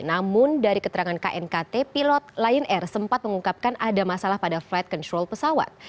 namun dari keterangan knkt pilot lion air sempat mengungkapkan ada masalah pada flight control pesawat